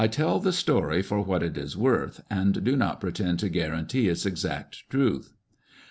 [Conducted l»y tell the story for what it is worth ; and do not pretend to guarantee its exact truth.